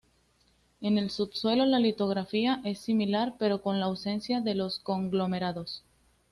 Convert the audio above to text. En el subsuelo, la litología es similar, pero con la ausencia de los conglomerados.